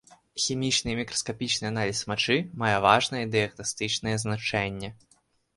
Хімічны і мікраскапічны аналіз мачы мае важнае дыягнастычнае значэнне.